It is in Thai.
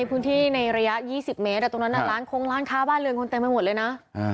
พื้นที่ในระยะ๒๐เมตรตรงนั้นร้านคงร้านค้าบ้านเรือนคนเต็มไปหมดเลยนะ